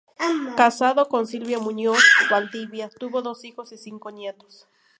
Casado con Silvia Muñoz Valdivia, tuvo dos hijos y cinco nietos.